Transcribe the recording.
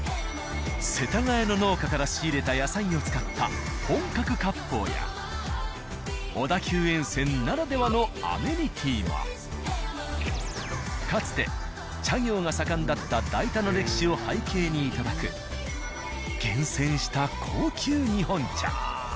世田谷の農家から仕入れた野菜を使った本格割烹や小田急沿線ならではのアメニティーはかつて茶業が盛んだった代田の歴史を背景にいただく厳選した高級日本茶。